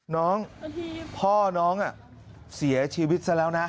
น้องพ่อน้องเสียชีวิตซะแล้วนะ